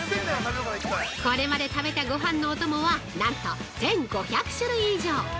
これまで食べたごはんのお供はなんと１５００種類以上。